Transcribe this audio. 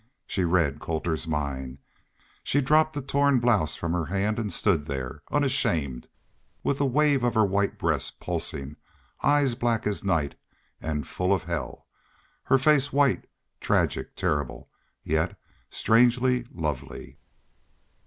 She read Colter's mind. She dropped the torn blouse from her hand and stood there, unashamed, with the wave of her white breast pulsing, eyes black as night and full of hell, her face white, tragic, terrible, yet strangely lovely.